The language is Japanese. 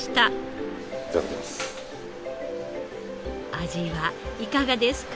味はいかがですか？